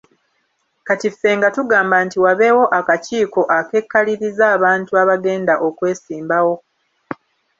Kati ffe nga tugamba nti wabeewo akakiiko akekaliriza abantu abagenda okwesimbawo.